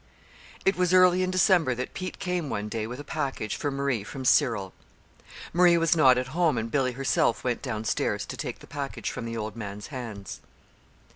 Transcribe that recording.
It was early in December that Pete came one day with a package for Marie from Cyril. Marie was not at home, and Billy herself went downstairs to take the package from the old man's hands.